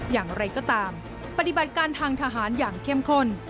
อย่างไรก็ตามปฏิบัติการทางทหารอย่างเข้มข้น